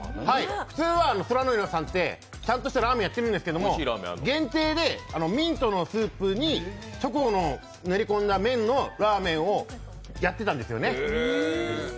普通はＳＯＲＡＮＯＩＲＯさんって、ちゃんとしたラーメンもやっているんですけど、限定でミントのスープにチョコを練り込んだ麺をやっていたんです。